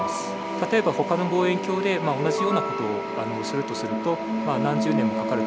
例えばほかの望遠鏡で同じような事をするとすると何十年もかかると。